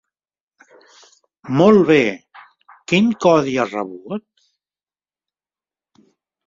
Molt bé, quin codi ha rebut?